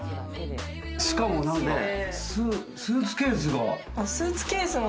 しかもスーツケースが。